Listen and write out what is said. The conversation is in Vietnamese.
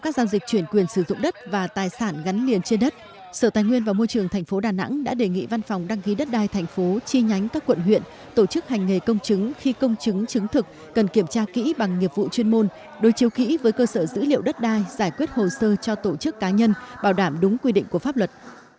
các tổ chức hành nghề công chứng trên địa bàn thành phố đã đề nghị văn phòng đăng ký đất đai thành phố chi nhánh các quận huyện tổ chức hành nghề công chứng khi công chứng chứng thực cần kiểm tra kỹ bằng nghiệp vụ chuyên môn đối chiếu kỹ với cơ sở dữ liệu đất đai giải quyết hồ sơ cho tổ chức cá nhân bảo đảm đúng quy định của pháp luật